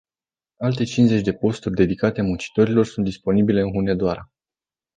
Alte cincizeci de posturi dedicate muncitorilor sunt disponibile în Hunedoara.